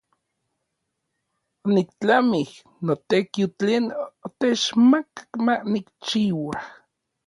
Oniktlamij n notekiu tlen otechmakak ma nikchiua.